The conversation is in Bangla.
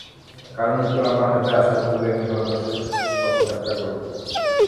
কারণ উত্তর আমার হাতে আসার পূর্বেই আমি ভারতবর্ষের পথে যাত্রা করব।